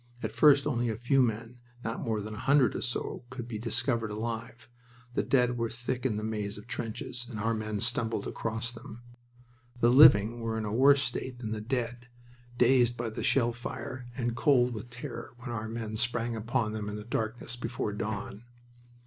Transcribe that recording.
At first only a few men, not more than a hundred or so, could be discovered alive. The dead were thick in the maze of trenches, and our men stumbled across them. The living were in a worse state than the dead, dazed by the shell fire, and cold with terror when our men sprang upon them in the darkness before dawn.